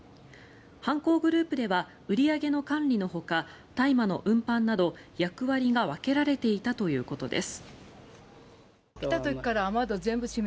犯行グループでは売り上げの管理のほか大麻の運搬など役割が分けられていたということです。